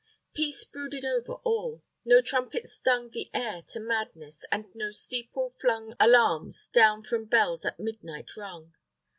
_ _Peace brooded over all. No trumpet stung The air to madness, and no steeple flung Alarums down from bells at midnight rung.